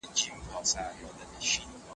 فراه د انارو وطن دی.